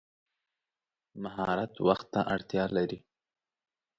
مهارت وخت ته اړتیا لري.